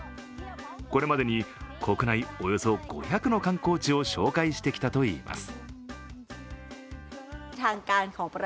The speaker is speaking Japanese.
これまでに国内およそ５００の観光地を紹介してきたといいます。